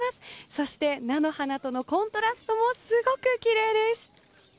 そして、菜の花とのコントラストもすごくきれいです。